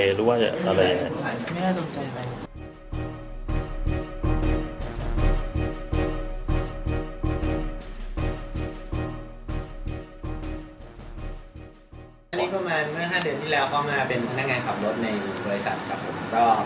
ประมาณ๕เดือนที่แล้วเขามาเป็นพนักงานขับรถในบุรุษรศัพท์